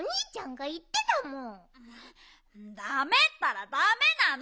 ダメったらダメなの！